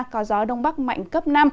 có gió đông bắc mạnh cấp năm